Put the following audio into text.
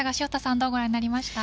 どうご覧になりました？